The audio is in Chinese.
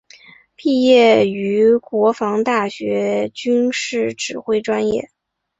毕业于国防大学军事指挥专业。